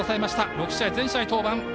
６試合全試合登板。